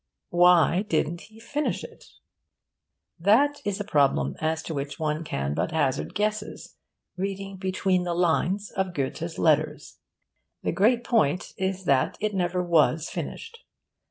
Why didn't he finish it? That is a problem as to which one can but hazard guesses, reading between the lines of Goethe's letters. The great point is that it never was finished.